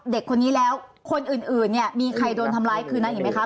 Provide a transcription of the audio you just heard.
น้องเด็กแล้วคนอื่นนี้มีใครโดนทำร้ายคืนนั้นไหมคะ